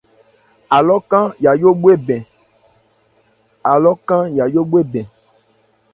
Alɔ kan yayó bhwe bɛn.